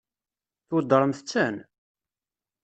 Tweddṛemt-ten?